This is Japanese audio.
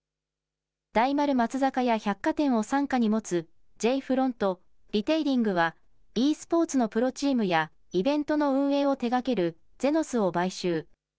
大丸松坂屋百貨店を傘下に持つ、Ｊ．フロントリテイリングは、ｅスポーツのプロチームやイベントの運営を手がけるＸＥＮＯＺを買収。